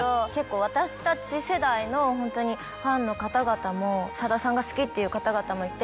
私たち世代のホントにファンの方々もさださんが好きっていう方々もいて。